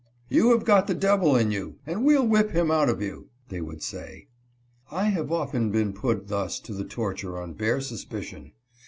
"You have got the devil in you, and we'll whip him out of you," they would say. I have often been put thus to the torture on bare suspicion.